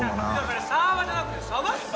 それサーバーじゃなくて鯖っすよ！